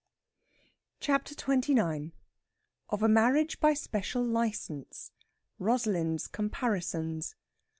CHAPTER XXIX OF A MARRIAGE BY SPECIAL LICENCE. ROSALIND'S COMPARISONS.